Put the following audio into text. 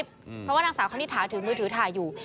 เพราะว่านางสาวคณิตถาถือมือถือถ่ายอยู่